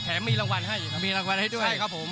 แถมมีรางวัลให้มีรางวัลให้ด้วย